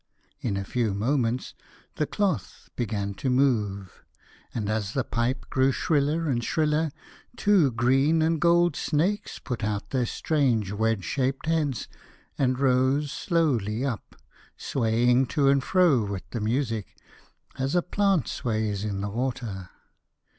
In a few mo ments the cloth began to move, and as the pipe grew shriller and shriller two green and gold snakes put out their strange wedge shaped heads and rose slowly up, swaying to and fro with the music as a plant sways in the water.